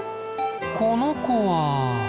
この子は？